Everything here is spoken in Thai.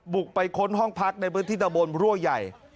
บุกไปค้นห้องพักในพื้นที่ตะบนรั่วใหญ่